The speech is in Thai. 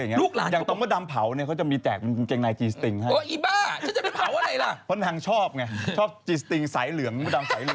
งานสบคกรมมีแจกของชำรวยอะไรคืออะไร